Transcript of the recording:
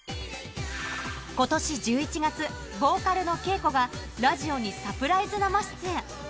ことし１１月、ボーカルのＫＥＩＫＯがラジオにサプライズ生出演。